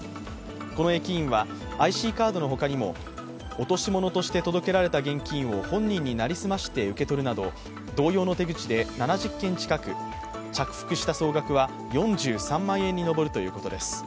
この駅員はＩＣカードの他にも落とし物として届けられた現金を本人に成り済まして受け取るなど同様の手口で７０件近く着服した総額は４３万円に上るということです。